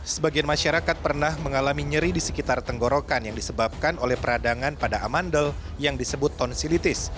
sebagian masyarakat pernah mengalami nyeri di sekitar tenggorokan yang disebabkan oleh peradangan pada amandel yang disebut tonsilitis